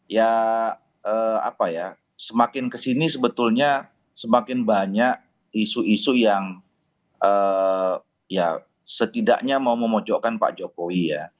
ya apa ya semakin kesini sebetulnya semakin banyak isu isu yang ya setidaknya mau memojokkan pak jokowi ya